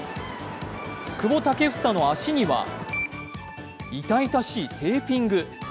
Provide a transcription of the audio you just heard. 久保建英の足には痛々しいテーピング。